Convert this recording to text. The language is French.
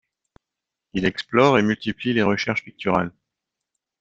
Il explore et multiplie les recherches picturales.